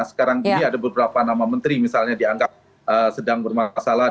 sekarang ini ada beberapa nama menteri misalnya dianggap sedang bermasalah